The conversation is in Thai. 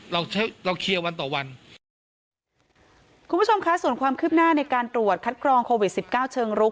เราใช้เราเคลียร์วันต่อวันคุณผู้ชมคะส่วนความคืบหน้าในการตรวจคัดกรองโควิดสิบเก้าเชิงรุก